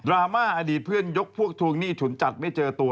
ราม่าอดีตเพื่อนยกพวกทวงหนี้ฉุนจัดไม่เจอตัว